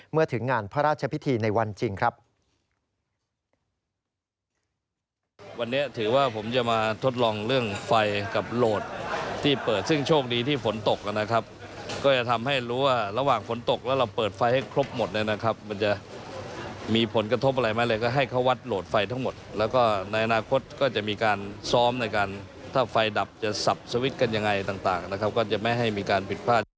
เมื่อถึงงานพระราชพิธีในวันจริงครับ